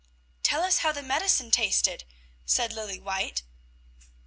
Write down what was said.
"Tell us how the medicine tasted," said Lilly White.